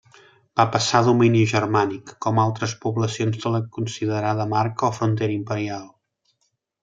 Va passar a domini germànic, com altres poblacions de la considerada marca o frontera imperial.